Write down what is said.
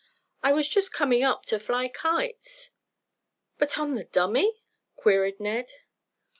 "I was just coming up to fly kites." "But on the dummy!" queried Ned.